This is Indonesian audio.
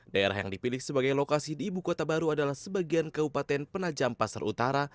daerah yang dipilih sebagai lokasi di ibu kota baru adalah sebagian kabupaten penajam pasar utara